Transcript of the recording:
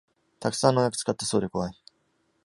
たくさん農薬使ってそうでこわい